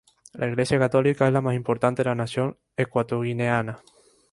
La Iglesia católica es la más importante de la nación ecuatoguineana.